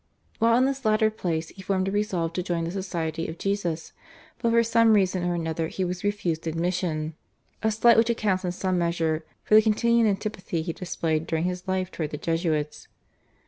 While in this latter place he formed a resolve to join the Society of Jesus, but for some reason or another he was refused admission, a slight which accounts in some measure for the continued antipathy he displayed during his life towards the Jesuits.